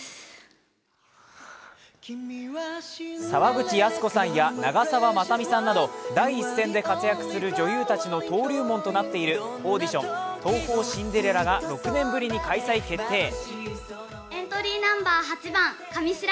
沢口靖子さんや長澤まさみさんなど、第一線で活躍する女優たちの登竜門となっているオーディション、東宝シンデレラが、６年ぶりに開催決定。